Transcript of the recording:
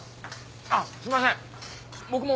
あっすいません僕も。